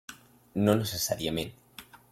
No necessàriament.